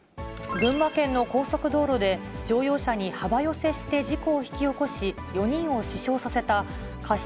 群馬県の高速道路で、乗用車に幅寄せして事故を引き起こし、４人を死傷させた過失